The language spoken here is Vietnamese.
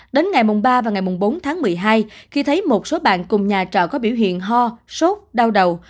đến ngày ba và ngày bốn tháng một mươi hai khi thấy một số bạn cùng nhà trọ có biểu hiện ho sốt đau đầu